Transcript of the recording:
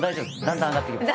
だんだん上がってきます。